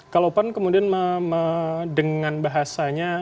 kalau pan kemudian dengan bahasanya